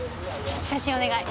写真お願い。